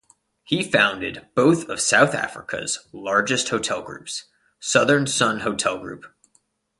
He founded both of South Africa's largest hotel groups, Southern Sun Hotel Group.